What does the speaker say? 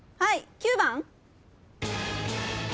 ９番。